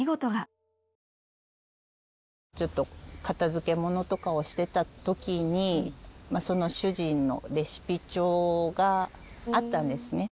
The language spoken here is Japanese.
ちょっと片づけものとかをしてた時にその主人のレシピ帳があったんですね。